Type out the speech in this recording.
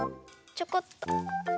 ちょこっと。